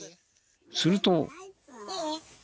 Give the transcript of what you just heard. すると。